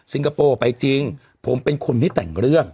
คโปร์ไปจริงผมเป็นคนไม่แต่งเรื่อง